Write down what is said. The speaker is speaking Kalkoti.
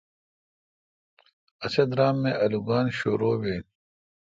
اسی درام می آلوگان شرو بیل۔